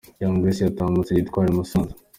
Young Grace yatambutse gitwari i Musanze.